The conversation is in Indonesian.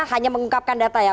hanya mengungkapkan data ya